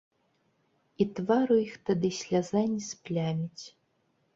І твару іх тады сляза не спляміць.